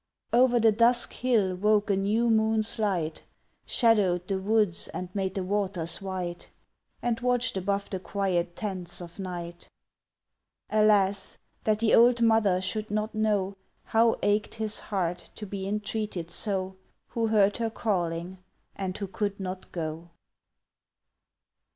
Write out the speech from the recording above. Over the dusk hill woke a new moon's light, Shadowed the woods and made the waters white, And watched above the quiet tents of night. Alas, that the old Mother should not know How ached his heart to be entreated so, Who heard her calling and who could not go!